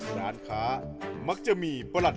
คิกคิกคิกคิกคิกคิกคิก